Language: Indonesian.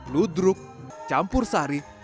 ludruk campur sari